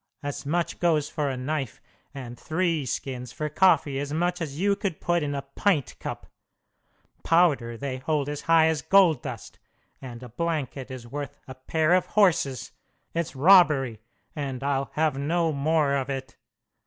As much goes for a knife; and three skins for coffee as much as you could put in a pint cup. Powder they hold as high as gold dust, and a blanket is worth a pair of horses. It's robbery, and I'll have no more of it.